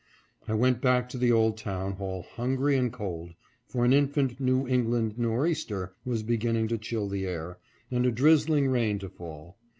I went back to the old town hall hungry and cold, for an infant "New England northeaster" was beginning to chill the air, and a drizzling rain to fall.